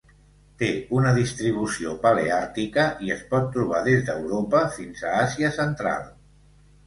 Té una distribució paleàrtica i es pot trobar des d'Europa fins a Àsia Central.